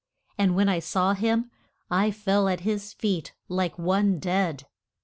And when I saw him I fell at his feet like one dead.